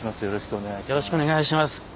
よろしくお願いします。